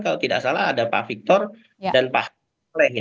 kalau tidak salah ada pak victor dan pak reh